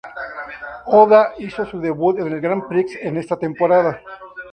Oda hizo su debut en el Grand Prix en esta temporada.